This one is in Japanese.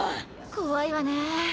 怖いわね。